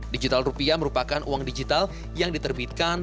digital rupiah merupakan uang digital yang diterbitkan